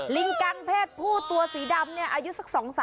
ลิงกังเพศผู้ตัวสีดำเนี่ยอายุสัก๒๓